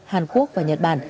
hàn quốc và nhật bản